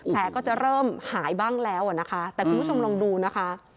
แผลก็จะเริ่มหายบ้างแล้วนะคะแต่คุณผู้ชมลองดูนะคะ